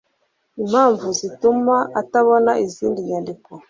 impamvu zituma atabona izindi nyandiko